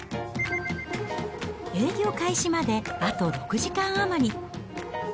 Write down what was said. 営業開始まであと６時間余り。